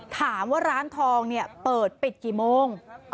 ถามว่าร้านทองเปิดปิดกี่โมง